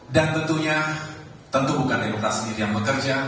dan tentunya tentu bukan demokrat sendiri yang bekerja